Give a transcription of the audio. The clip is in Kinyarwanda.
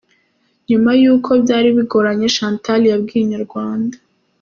Nyuma yuko byari bigoranye Chantal yabwiye Inyarwanda.